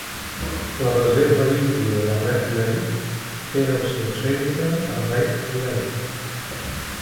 La reserva índia de red lake té el seu centre a Red Lake.